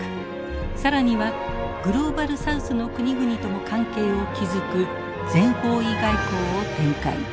更にはグローバルサウスの国々とも関係を築く全方位外交を展開。